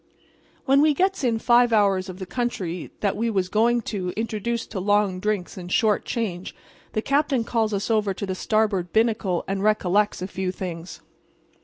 "When we gets in five hours of the country that we was going to introduce to long drinks and short change the captain calls us over to the starboard binnacle and recollects a few things.